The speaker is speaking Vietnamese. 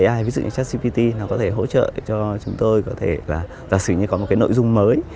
ai ví dụ như chat cpt nó có thể hỗ trợ cho chúng tôi có thể là giả sử như có một cái nội dung mới